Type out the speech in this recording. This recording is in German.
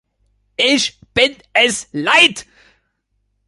Ich bin es leid.